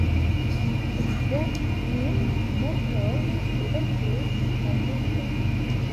Okdek mil mortoj estus malmulto.